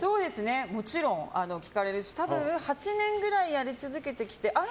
もちろん聞かれるし多分、８年ぐらいやり続けてきてあれ？